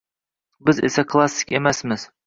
Biz esa klassik emasmiz